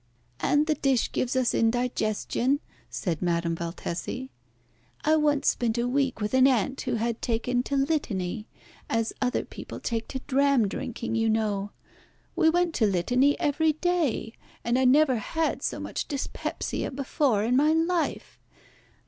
"And the dish gives us indigestion," said Madame Valtesi. "I once spent a week with an aunt who had taken to Litany, as other people take to dram drinking, you know. We went to Litany every day, and I never had so much dyspepsia before in my life.